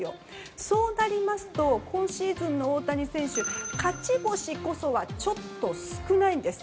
そうなりますと今シーズンの大谷選手勝ち星こそちょっと少ないんです。